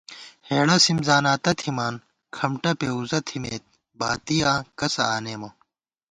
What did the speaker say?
ہېڑہ سِم زاناتہ تھِمان، کھمٹہ پېوُزہ تھِمېت، باتِیاں کسہ آنېمہ